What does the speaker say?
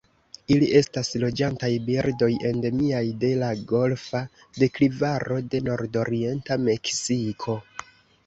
Ili estas loĝantaj birdoj endemiaj de la Golfa deklivaro de nordorienta Meksiko.